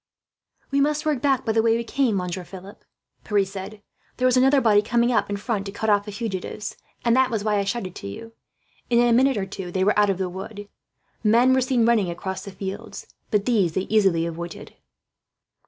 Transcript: "We must work back by the way we came, Monsieur Philip," Pierre said. "There is another body coming up in front, to cut off fugitives; and that was why I shouted to you." In a minute or two they were out of the wood. Men were seen running across the fields, but these they easily avoided.